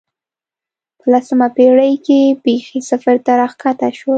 په لسمه پېړۍ کې بېخي صفر ته راښکته شول